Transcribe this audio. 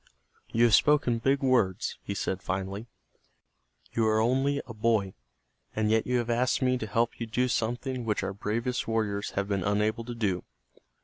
"You have spoken big words," he said, finally. "You are only a boy, and yet you have asked me to help you do something which our bravest warriors have been unable to do.